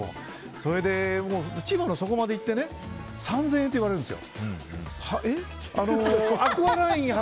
それで、千葉の内房まで行って３０００円って言われるんですよ。